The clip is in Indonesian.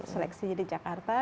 seleksi di jakarta